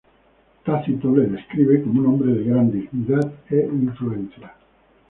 Tácito le describe como un hombre de gran dignidad e influencia.